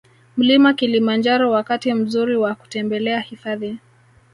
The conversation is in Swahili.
Mlima Kilimanjaro Wakati mzuri wa kutembelea hifadhi